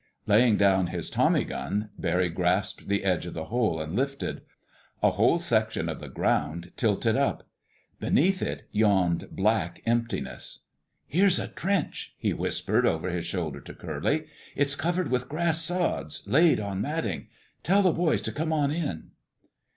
Laying down his tommy gun, Barry grasped the edge of the hole and lifted. A whole section of the "ground" tilted up. Beneath it yawned black emptiness. "Here's a trench!" he whispered over his shoulder to Curly. "It's covered with grass sods, laid on matting. Tell the boys to come on in."